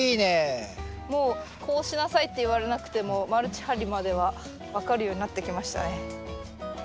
もうこうしなさいって言われなくてもマルチ張りまでは分かるようになってきましたね。